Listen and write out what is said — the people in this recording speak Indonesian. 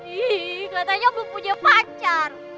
ih katanya belum punya pacar